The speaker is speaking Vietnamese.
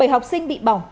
bảy học sinh bị bỏng